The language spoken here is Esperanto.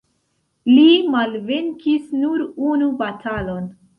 Li malvenkis nur unu batalon.